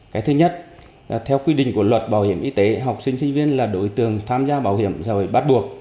cái thứ nhất theo quy định của luật bảo hiểm y tế học sinh sinh viên là đối tường tham gia bảo hiểm rồi bắt buộc